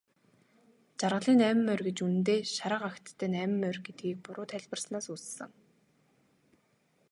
Жаргалын найман морь гэж үнэндээ шарга агттай найман морь гэдгийг буруу тайлбарласнаас үүссэн.